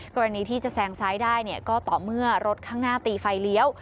กรณีที่จะแซงซ้ายได้ก็ต่อเมื่อรถข้างหน้าตีไฟเลี้ยว